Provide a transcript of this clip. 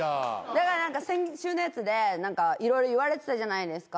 だから先週のやつで色々言われてたじゃないですか。